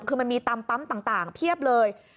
คือมันมีตามปั๊มต่างเพียบเลย